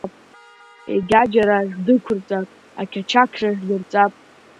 Егьаџьара шәдәықәырҵап, Ақьачақьра шәдырҵап…